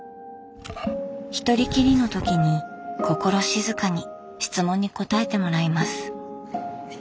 ひとりきりのときに心静かに質問に答えてもらいます。